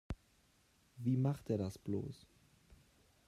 Wie macht er das bloß?